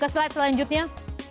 ke slide selanjutnya